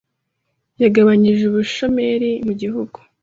yagabanyije ubushomeri mu gihugu,